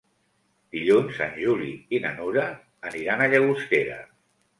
Dilluns en Juli i na Nura aniran a Llagostera.